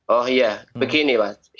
oh iya begini pak